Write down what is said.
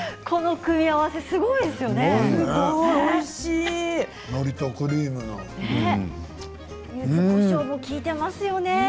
この組み合わせすごいですよね。